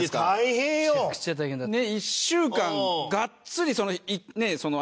めちゃくちゃ大変だった。